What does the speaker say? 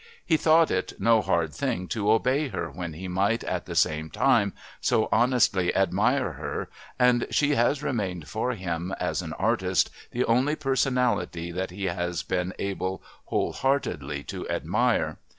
He thought it no hard thing to obey her when he might, at the same time, so honestly admire her and she has remained for him, as an artist, the only personality that he has been able wholeheartedly to admire.